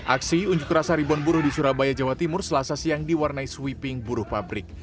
aksi unjuk rasa ribuan buruh di surabaya jawa timur selasa siang diwarnai sweeping buruh pabrik